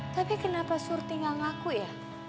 tapi kenapa suruh tinggal ngaku ya